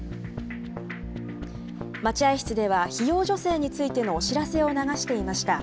待合室では、費用助成についてのお知らせを流していました。